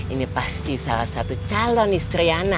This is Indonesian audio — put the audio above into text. ini pasti salah satu calon istri ana